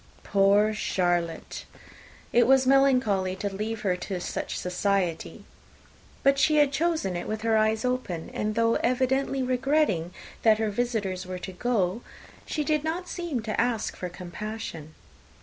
Poor Charlotte! it was melancholy to leave her to such society! But she had chosen it with her eyes open; and though evidently regretting that her visitors were to go, she did not seem to ask for compassion.